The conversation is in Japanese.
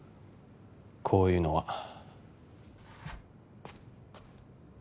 こういうのは。